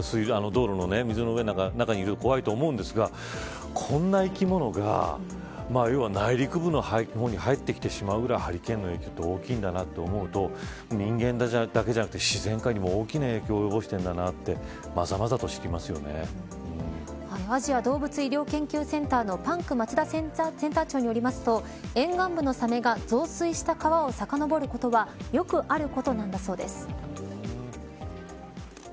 道路の水の上の中にいるのは怖いと思うんですがこんな生き物が内陸部の方に入ってきてしまうぐらいハリケーンの影響は大きいんだなと思うと人間だけじゃなくて自然界にも大きな影響を及ぼしてるんだなとアジア動物医療研究センターのパンク町田センター長によると沿岸部のサメが増水した川をさかのぼることはよくあることなんだそうです。